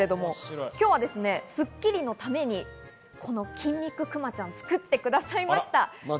今日は『スッキリ』のために筋肉クマちゃんを作ってくださいました。